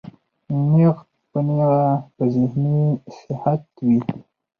نېغ پۀ نېغه پۀ ذهني صحت وي